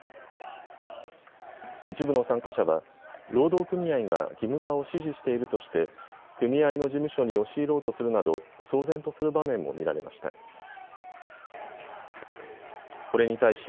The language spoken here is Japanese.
一部の参加者は労働組合が義務化を支持しているとして組合の事務所に押し入ろうとするなど騒然とする場面も見られました。